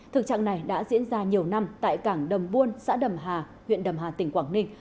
thực trạng này đã diễn ra nhiều năm tại cảng đầm buôn xã đầm hà huyện đầm hà tỉnh quảng ninh